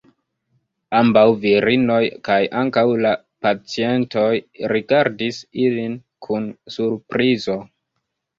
Ambau virinoj kaj ankau la pacientoj rigardis ilin kun surprizo.